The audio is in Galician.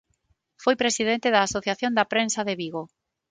Foi presidente da Asociación da Prensa de Vigo.